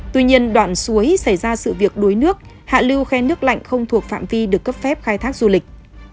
tuy nhiên đoạn suối xảy ra sự việc đuối nước hạ lưu khen nước lạnh không thuộc phạm vi được cấp phép khai thác du lịch